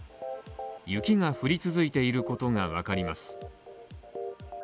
雪が降り続いていることが分かります。